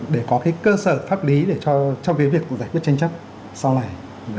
để có cái cơ sở pháp lý để cho cái việc giải quyết tranh chấp sau này